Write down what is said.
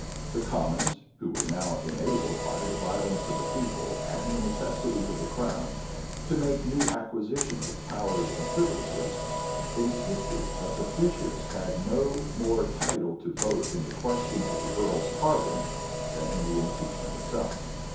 The commons, who were now enabled, by the violence of the people, and the necessities of the crown, to make new acquisitions of powers and privileges, insisted, that the bishops had no more title to vote in the question of the earl's pardon than in the impeachment itself.